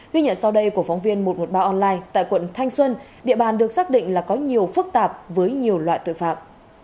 ghi nhận sau đây của phóng viên một trăm một mươi ba online tại quận thanh xuân địa bàn được xác định là có nhiều phức tạp với nhiều loại tội phạm